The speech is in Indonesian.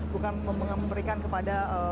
bukan memberikan kepada